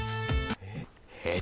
えっ！？